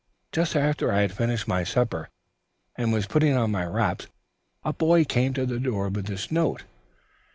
Just after I had finished my supper and was putting on my wraps a boy came to the door with this note."